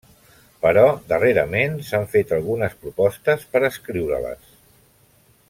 Però, darrerament, s'han fet algunes propostes per escriure-les.